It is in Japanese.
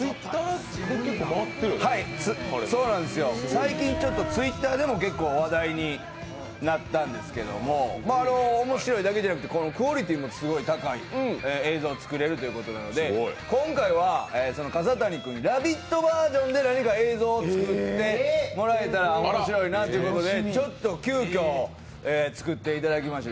最近、Ｔｗｉｔｔｅｒでも結構話題になったんですけど面白いだけじゃなくて、クオリティーも高い映像が作れるということで、今回は笠谷君に、「ラヴィット！」バージョンで何か映像を作ってもらったら面白いなということで急きょ、作っていただきました。